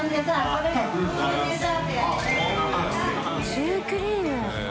シュークリーム。